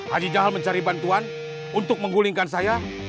hadi jahal mencari bantuan untuk menggulingkan saya